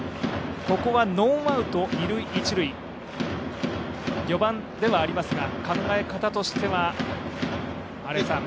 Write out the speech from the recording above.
ここはノーアウト二塁・一塁序盤ではありますが、考え方としては、新井さん。